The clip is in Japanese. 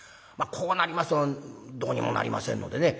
こうなりますとどうにもなりませんのでね